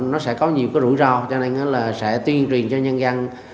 nó sẽ có nhiều rủi ro cho nên sẽ tuyên truyền cho nhân dân